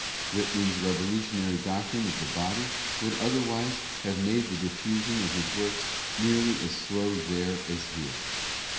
Whitman's revolutionary doctrine of the body would otherwise have made the diffusion of his works nearly as slow there as here.